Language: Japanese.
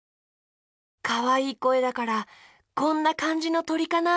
かわいいこえだからこんなかんじのとりかな？